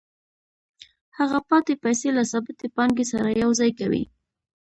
هغه پاتې پیسې له ثابتې پانګې سره یوځای کوي